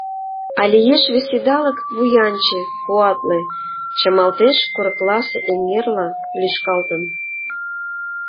А лиеш вес идалык вуянче, куатле, Чымалтеш курыкласе эҥерла, лӱшкалтын.